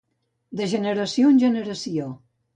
De generació en generació.